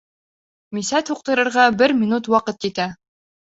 Мисәт һуҡтырырға бер минут ваҡыт етә.